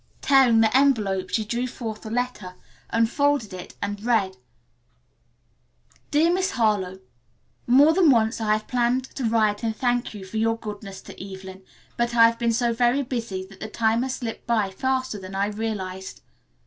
Tearing the envelope she drew forth the letter, unfolded it and read: "DEAR MISS HARLOWE: "More than once I have planned to write and thank you for your goodness to Evelyn, but I have been so very busy that the time has slipped by faster than I realized.